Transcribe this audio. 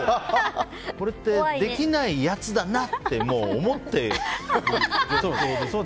これってできないやつだなって思っての行動。